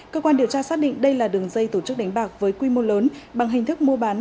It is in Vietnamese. cơ quan điều tra xác định đây là đường dây tổ chức đánh bạc với quy mô lớn bằng hình thức mua bán